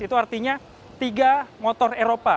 itu artinya tiga motor eropa